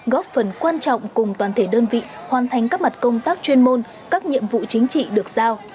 góp phần quan trọng cùng toàn thể đơn vị hoàn thành các mặt công tác chuyên môn các nhiệm vụ chính trị được giao